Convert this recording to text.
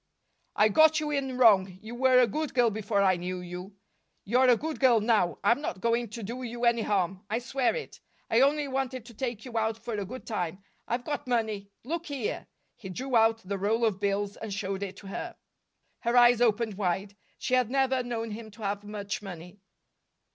"I got you in wrong. You were a good girl before I knew you. You're a good girl now. I'm not going to do you any harm, I swear it. I only wanted to take you out for a good time. I've got money. Look here!" He drew out the roll of bills and showed it to her. Her eyes opened wide. She had never known him to have much money.